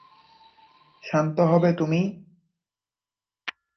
শান্ত হবে তুমি?